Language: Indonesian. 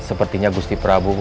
sepertinya gusti prabu